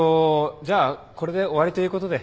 じゃあこれで終わりということで。